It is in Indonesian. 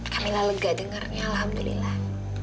kamila lega dengarnya alhamdulillah